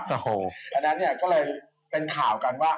โอ้โหอันนั้นเนี่ยก็เลยเป็นข่าวกันว่า